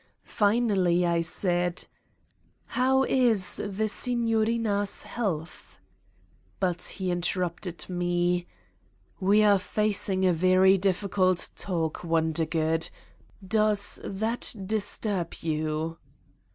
Fi nally I said: "How is the Signorina's health?" ... But he interrupted me : "We are facing a very difficult talk, Wonder good? Does that disturb you!"